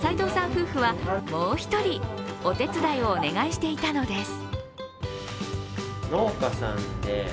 夫婦はもう１人、お手伝いをお願いしていたのです。